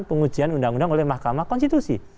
pengujian undang undang oleh mahkamah konstitusi